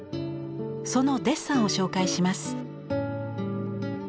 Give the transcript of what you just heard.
そのデッサンを紹介します。